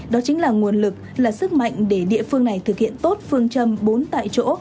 đó chính là nguồn lực là sức mạnh để địa phương này thực hiện tốt phương châm bốn tại chỗ